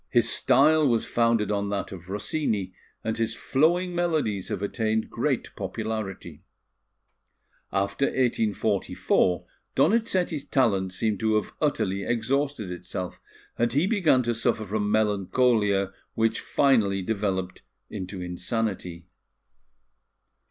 His style was founded on that of Rossini, and his flowing melodies have attained great popularity. After 1844, Donizetti's talent seemed to have utterly exhausted itself, and he began to suffer from melancholia, which finally developed into insanity.